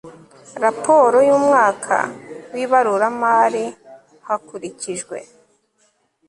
raporo y umwaka w ibaruramari hakurikijwe